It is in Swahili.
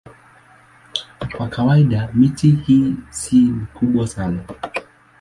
Kwa kawaida miti hii si mikubwa sana.